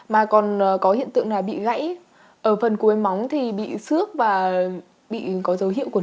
mà còn có hiện tượng là bị gãy ở phần cuối móng thì bị xước và bị có dấu hiệu của nấm